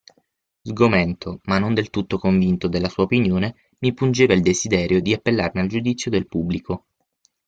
Sgomento, ma non del tutto convinto della sua opinione, mi pungeva il desiderio di appellarmi al giudizio del pubblico.